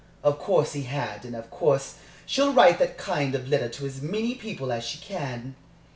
Of course he had and of course she'll write that kind of letter to as many people as she can.